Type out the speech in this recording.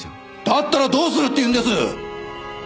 だったらどうするっていうんです！？